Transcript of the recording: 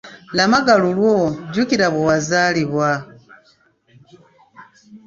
Lamaga lulwo jjukira bwe wazaalibwa.